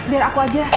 biar aku aja